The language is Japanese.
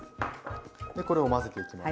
これを混ぜていきます。